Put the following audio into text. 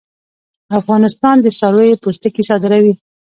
افغانستان د څارویو پوستکي صادروي